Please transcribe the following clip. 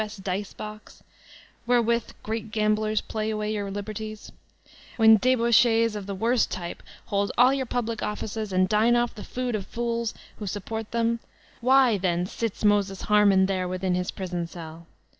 S. dice box, where with great gamblers play away your liberties ; when de bauchees of the worst type hold all your public offices and dine off the food of fools who support them, why, then. Sits Moses Harman there within his prison cell